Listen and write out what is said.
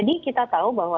adakah itu oke